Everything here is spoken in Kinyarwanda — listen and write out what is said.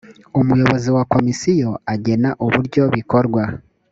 umuyobozi wa komisiyo agena uburyo bikorwa